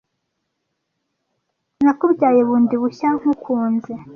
Nakubyaye bundi bushya nkukunze